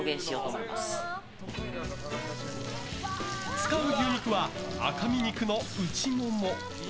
使う牛肉は、赤身肉のウチモモ。